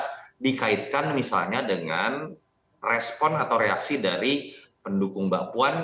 karena dikaitkan misalnya dengan respon atau reaksi dari pendukung mbak puan